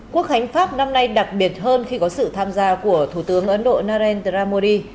quốc hành pháp năm nay đặc biệt hơn khi có sự tham gia của thủ tướng ấn độ narendra modi